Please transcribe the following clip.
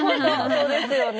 そうですね。